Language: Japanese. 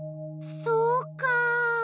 そうか。